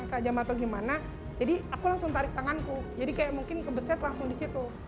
saya tidak tahu bagaimana jadi aku langsung tarik tanganku jadi mungkin kebeset langsung di situ